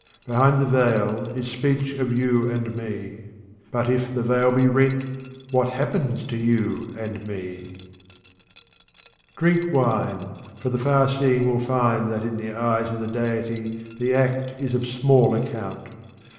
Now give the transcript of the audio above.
Behind the veil is speech of you and me. But if the veil be rent, what happens to you and me ? Drink wine, for the far seeing will find that in the eyes of the Deity the act is of small account.